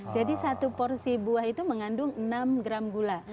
jadi satu porsi buah itu mengandung enam gram gula